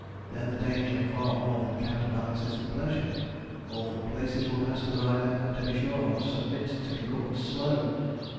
Then the danger far more than counterbalances the pleasure. Awful places one has to ride over, to be sure, or submit to be called "slow."